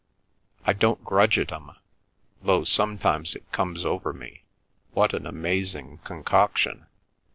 I don't grudge it 'em, though sometimes it comes over me—what an amazing concoction!